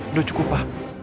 udah cukup pa